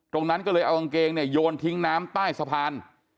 ตรงนั้นก็เลยเอากางเกงเนี่ยโยนทิ้งน้ำใต้สะพาน